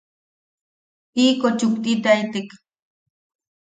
Tiiko chuktitaitek.